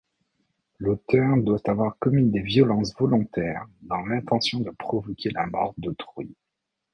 L'auteur doit avoir commis des violences volontaires dans l'intention de provoquer la mort d'autrui.